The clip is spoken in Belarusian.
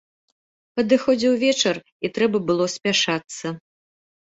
Падыходзіў вечар, і трэба было спяшацца.